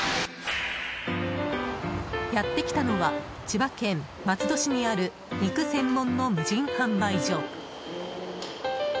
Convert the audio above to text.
やってきたのは千葉県松戸市にある肉専門の無人販売所。